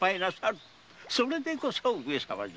それでこそ上様じゃ。